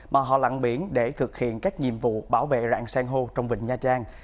mà họ lặng biển để thực hiện các nhiệm vụ bảo vệ rạng sang hô trong vịnh nha trang